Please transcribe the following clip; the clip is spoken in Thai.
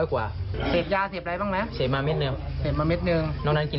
ปวิทย์วงสุวรรค์